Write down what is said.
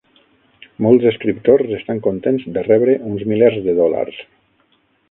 Molts escriptors estan contents de rebre uns milers de dòlars.